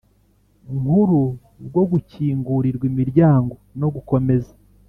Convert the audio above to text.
Nkuru bwo gukingurirwa imiryango no gukomeza